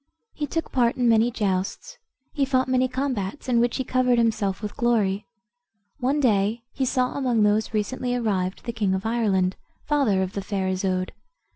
He took part in many justs; he fought many combats, in which he covered himself with glory. One day he saw among those recently arrived the king of Ireland, father of the fair Isoude.